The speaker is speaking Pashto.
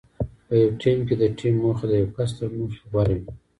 په یو ټیم کې د ټیم موخه د یو کس تر موخې غوره وي.